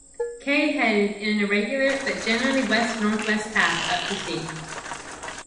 Kay headed in an irregular but generally west-northwest path out to sea.